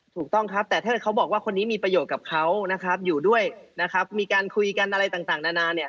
ถูกต้องแต่ถ้าเขาบอกว่าคนนี้มีประโยชน์กับเขาอยู่ด้วยมีการคุยกันอะไรต่างนานา